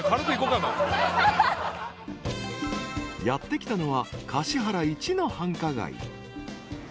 ［やって来たのは橿原一の繁華街］